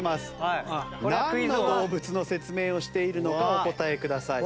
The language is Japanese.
なんの動物の説明をしているのかお答えください。